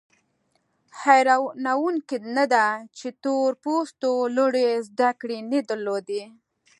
حیرانوونکي نه ده چې تور پوستو لوړې زده کړې نه درلودې.